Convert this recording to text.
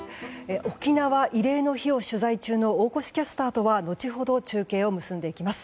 沖縄慰霊の日を取材中の大越キャスターとは後ほど中継を結んでいきます。